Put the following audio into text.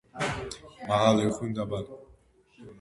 მაღალი, უხვი, მდაბალი